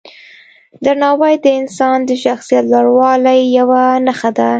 درناوی د انسان د شخصیت لوړوالي یوه نښه ده.